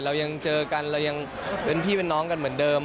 เรายังเจอกันเรายังเป็นพี่เป็นน้องกันเหมือนเดิม